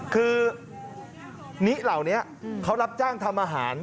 คือนิเหล่านี้เขารับจ้างทำอาหาร